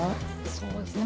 そうですね。